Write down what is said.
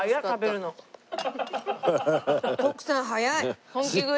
徳さん早い。